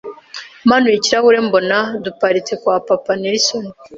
manuye ikirahuri mbona duparitse kwa Papa Nelson.